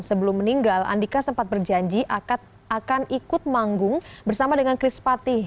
sebelum meninggal andika sempat berjanji akan ikut manggung bersama dengan chris patih